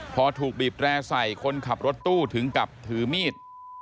พอถูกบีบแร่ใส่คนขับรถตู้ถึงกับถือมีด